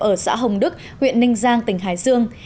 ở xã hồng đức huyện ninh giang tỉnh hải dương